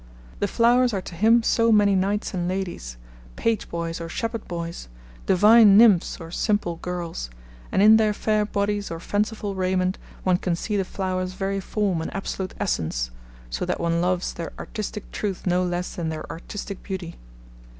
The flowers are to him so many knights and ladies, page boys or shepherd boys, divine nymphs or simple girls, and in their fair bodies or fanciful raiment one can see the flower's very form and absolute essence, so that one loves their artistic truth no less than their artistic beauty.